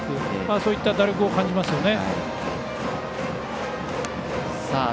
そういった打力を感じますよね。